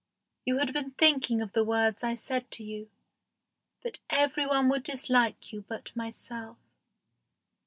You had been thinking of the words I said to you, that every one would dislike you but myself.